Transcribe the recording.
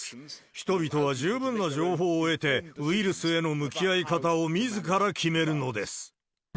人々は十分な情報を得て、ウイルスへの向き合い方をみずから決めるのです。